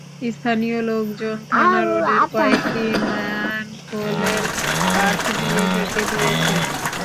স্থানীয় লোকজন থানা রোডের কয়েকটি ম্যানহোলের মুখ কাঠ দিয়ে ঢেকে দিয়েছেন।